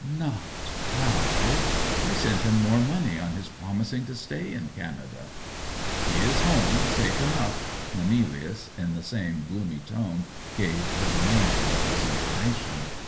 'Not—how—I sent him more money on his promising to stay in Canada?' 'He is home, safe enough.' Cornelius in the same gloomy tone gave the remainder of his information.